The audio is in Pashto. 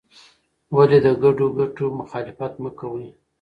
ولې د ګډو ګټو مخالفت مه کوې؟